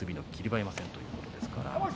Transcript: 馬山戦ということですから。